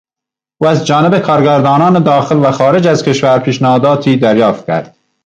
او از جانب کارگردانان داخلو خارج از کشور پیشنهاداتی دریافت کرد.